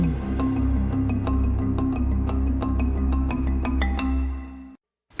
อาจจะรู้ว่าแร่มีแร่เหล็กแร่กที่จะสามารถรับทรัพย์ที่จะสามารถปล่อยให้กัน